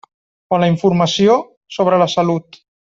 O la informació sobre la salut.